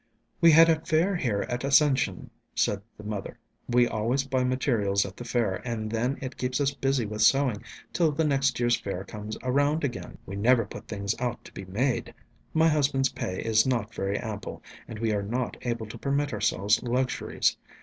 "We had a fair here at Ascension," said the mother; "we always buy materials at the fair, and then it keeps us busy with sewing till the next year's fair comes around again. We never put things out to be made. My husband's pay is not very ample, and we are not able to permit ourselves luxuries.